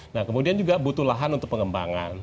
nah kemudian juga butuh lahan untuk pengembangan